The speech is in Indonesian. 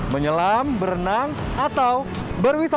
menyelam berenang atau berwisata